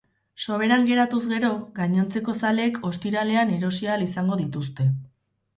Soberan geratuz gero, gainontzeko zaleek ostiralean erosi ahal izango dituzte.